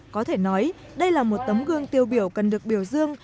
có thể nói đây là một tấm gương tiêu biểu cần được biểu dương